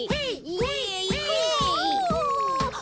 イエイイエイ！